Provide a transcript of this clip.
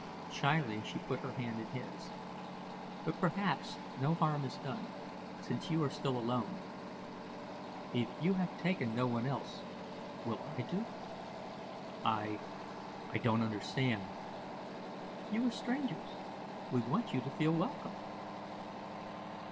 Shyly she put her hand in his. "But, perhaps, no harm is done, since you are still alone. If you have taken no one else, will I do?" "I I don't understand." "You are strangers; we want you to feel welcome."